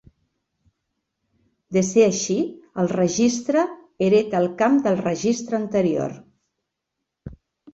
De ser així, el registre hereta el camp del registre anterior.